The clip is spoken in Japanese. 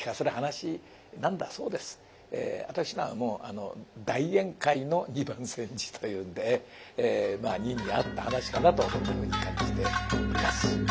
私のはもう大宴会の「二番煎じ」というんでまあニンに合った噺かなとこのように感じています。